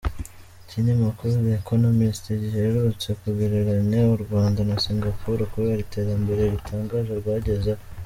Ikinyamakuru The Economist giherutse kugereranya u Rwanda na Singapore kubera iterambere ritangaje rwagezeho.